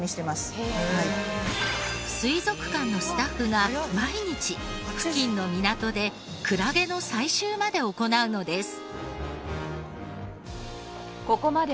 水族館のスタッフが毎日付近の港でクラゲの採集まで行うのです。